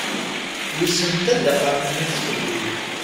Yessenta-d aqamum-is fell-i.